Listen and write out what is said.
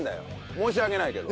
申し訳ないけど。